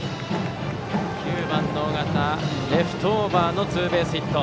９番の尾形、レフトオーバーのツーベースヒット。